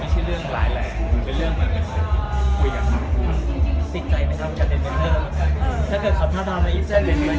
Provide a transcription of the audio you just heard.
มันเป็นเรื่องมาเป็นคุยอังคาร